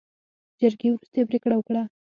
جرګې وروستۍ پرېکړه وکړه.